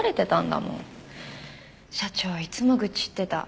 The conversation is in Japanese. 社長いつも愚痴ってた。